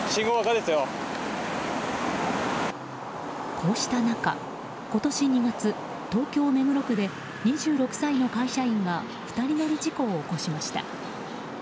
こうした中、今年２月東京・目黒区で２６歳の会社員が２人乗り事故を起こしました。